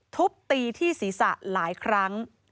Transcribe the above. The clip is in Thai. ทุบตีที่ศีรษะหลายครั้ง